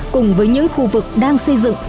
cùng với những khu vực đang xây dựng